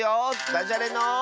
「だじゃれの」。